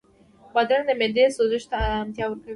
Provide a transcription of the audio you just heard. بادرنګ د معدې سوزش ته ارامتیا ورکوي.